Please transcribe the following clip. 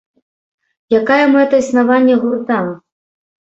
Якая мэта існавання гурта?